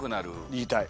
言いたい。